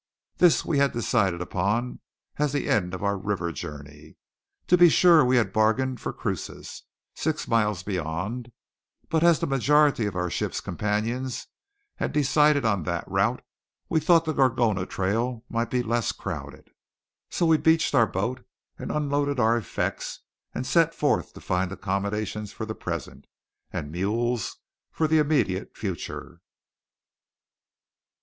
This we had decided upon as the end of our river journey. To be sure we had bargained for Cruces, six miles beyond; but as the majority of our ship's companions had decided on that route, we thought the Gorgona trail might be less crowded. So we beached our boat, and unloaded our effects; and set forth to find accommodations for the present, and mules for the immediate future.